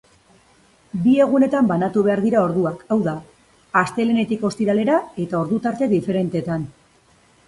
Bi egunetan banatu behar dira orduak, hau da, astelehenetik ostiralera eta ordu tarte diferenteetan.